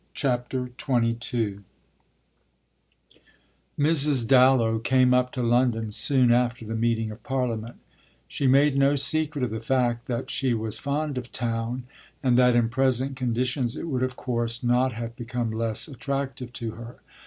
BOOK FIFTH XXII Mrs. Dallow came up to London soon after the meeting of Parliament; she made no secret of the fact that she was fond of "town" and that in present conditions it would of course not have become less attractive to her.